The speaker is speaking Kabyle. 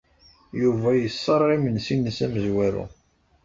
Yuba yesserɣ imensi-nnes amezwaru.